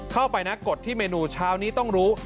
เข้าไปนะกดที่เมนูเช้านี้ต้องรู้